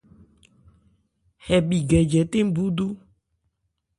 Hɛ bhi gɛ jɛtɛn búdú.